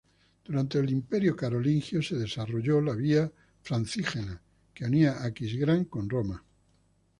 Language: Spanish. Durante el Imperio carolingio se desarrolló la Vía francígena, que unía Aquisgrán con Roma.